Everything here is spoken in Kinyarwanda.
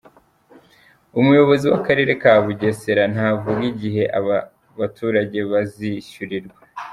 Umuyobozi w’Akarere ka Bugesera ntavuga igihe aba baturage bazishyurirwa.